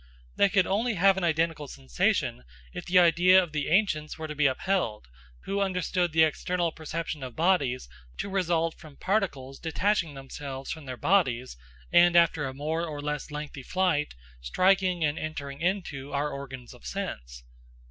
They could only have an identical sensation if the idea of the ancients were to be upheld, who understood the external perception of bodies to result from particles detaching themselves from their bodies, and after a more or less lengthy flight, striking and entering into our organs of sense.